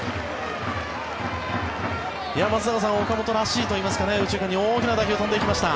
松坂さん岡本らしいといいますか右中間に大きな打球が飛んでいきました。